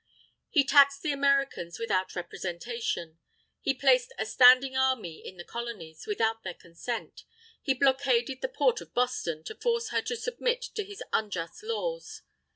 He taxed the Americans without representation. He placed a standing army in the Colonies, without their consent. He blockaded the Port of Boston to force her to submit to his unjust laws.